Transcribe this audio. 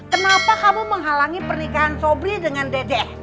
kenapa kamu menghalangi pernikahan sobri dengan dedek